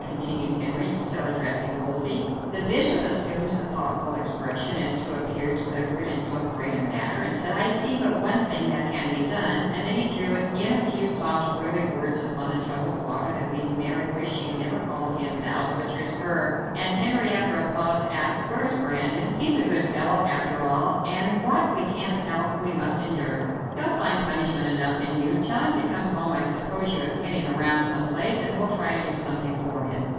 continued Henry, still addressing Wolsey. The bishop assumed a thoughtful expression, as if to appear deliberate in so great a matter, and said: "I see but one thing that can be done," and then he threw in a few soft, oily words upon the troubled waters that made Mary wish she had never called him "thou butcher's cur," and Henry, after a pause, asked: "Where is Brandon? He is a good fellow, after all, and what we can't help we must endure. He'll find punishment enough in you. Tell him to come home I suppose you have him hid around some place and we'll try to do something for him."